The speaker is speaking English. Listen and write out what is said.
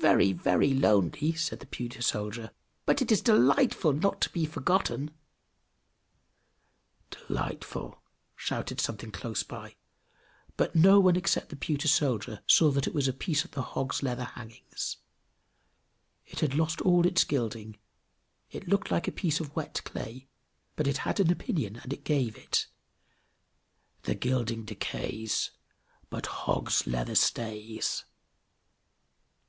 "Very, very lonely!" said the pewter soldier. "But it is delightful not to be forgotten!" "Delightful!" shouted something close by; but no one, except the pewter soldier, saw that it was a piece of the hog's leather hangings; it had lost all its gilding, it looked like a piece of wet clay, but it had an opinion, and it gave it: "The gilding decays, But hog's leather stays!"